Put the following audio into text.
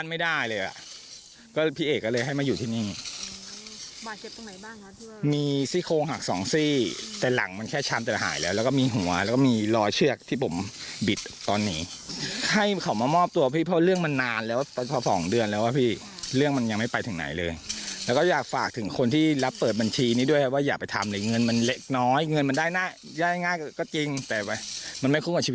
เงินมันได้ง่ายก็จริงแต่วัยไม่คุ้มกับชีวิตเรา